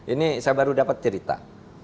ini saya baru dapat cerita